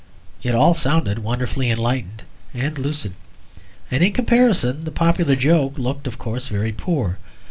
It all sounded wonderfully enlightened and lucid; and in comparison the popular joke looked, of course, very poor.